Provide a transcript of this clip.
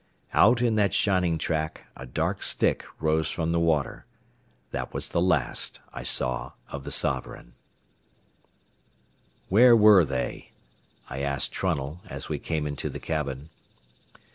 Out in that shining track, a dark stick rose from the water. That was the last I saw of the Sovereign. "Where were they?" I asked Trunnell, as we came into the cabin.